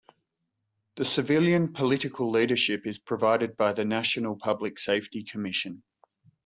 The civilian political leadership is provided by the National Public Safety Commission.